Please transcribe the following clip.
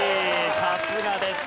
さすがです。